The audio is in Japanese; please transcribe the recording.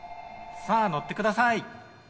さあ乗って下さい！